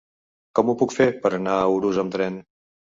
Com ho puc fer per anar a Urús amb tren?